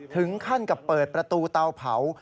ถึงขั้นกับเปิดประตูเตาเผา